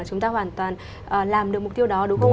chúng ta hoàn toàn làm được mục tiêu đó đúng không ạ